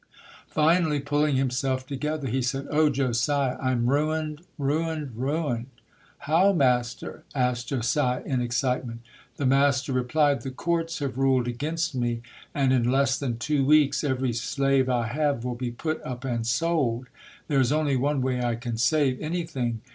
, Finally pulling himself together, he said, "Oh, Josiah! I'm ruined, ruined, ruined!" "How, master?" asked Josiah in excitement. The master replied, "The courts have ruled against me, and in less than two weeks every slave I have will be put up and sold. There is only one way I can save anything.